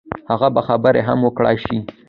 هغه به خبرې هم وکړای شي.